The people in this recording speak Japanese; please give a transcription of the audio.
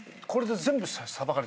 全部。